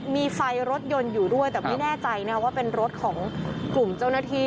มีไฟรถยนต์อยู่ด้วยแต่ไม่แน่ใจนะว่าเป็นรถของกลุ่มเจ้าหน้าที่